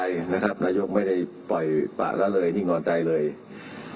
มีศาสตราจารย์พิเศษวิชามหาคุณเป็นประเทศด้านกรวมความวิทยาลัยธรม